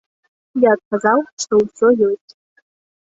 Я адказаў, што ўсё ёсць.